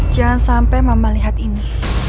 jangan sampai mama lihat ini